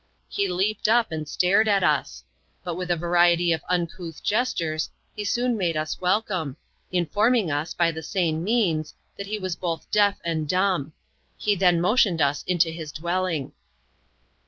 He leaped up, and stared at us. But with a variety of uncouth gestures, he soon made u» welcome ; informing us, by the same means, that he was both deaf and dumb ; he then motioned us into his dwelling.